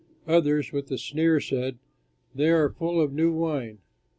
Others with a sneer said, "They are full of new wine!"